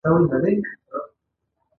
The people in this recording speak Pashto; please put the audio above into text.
• باران د زراعتي بوټو لپاره ښه دی.